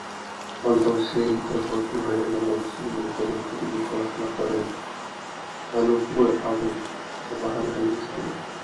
পঞ্চম শ্রেণীতে ভর্তি হয়ে নবম শ্রেণী পর্যন্ত তিনি পড়াশুনা করেন নানুপুর আবু সোবহান হাই স্কুলে।